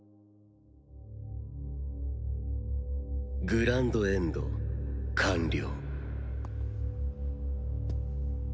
グランドエンド完了。